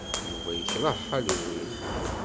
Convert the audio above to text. Yuba yekṛeh Halloween.